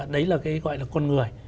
đấy là cái gọi là con người